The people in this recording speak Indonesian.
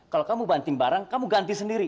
kalau kamu banting barang kamu ganti sendiri